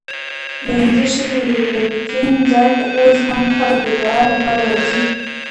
د هندۍ ښځې د تدفین ځای ته اوس هم خلک د دعا لپاره ورځي